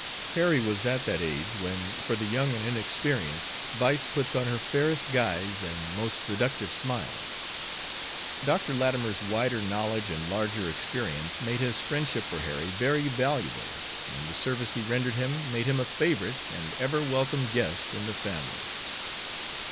Harry was at that age when, for the young and inexperienced, vice puts on her fairest guise and most seductive smiles. Dr. Latimer's wider knowledge and larger experience made his friendship for Harry very valuable, and the service he rendered him made him a favorite and ever welcome guest in the family.